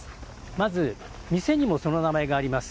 まず店にもその名前があります